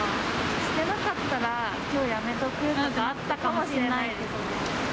してなかったらきょうやめとくっていうのはあったかもしれないですね。